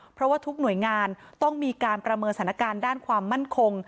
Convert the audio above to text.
เพราะว่าทุกหน่วยงานต้องมีการประเมินสถานการณ์ด้านความมั่นคง